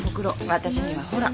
私にはほら。